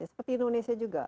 seperti indonesia juga